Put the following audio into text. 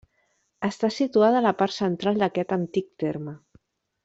Està situada a la part central d'aquest antic terme.